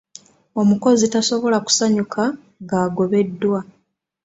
Omukozi tasobola kusanyuka ng'agobeddwa.